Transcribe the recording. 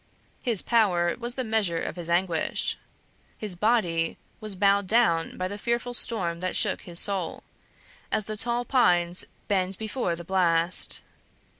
His power was the measure of his anguish. His body was bowed down by the fearful storm that shook his soul, as the tall pines bend before the blast.